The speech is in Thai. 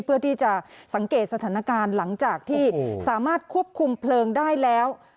เพื่อที่จะสังเกตสถานการณ์หลังจากที่สามารถควบคุมเพลิงได้แล้ว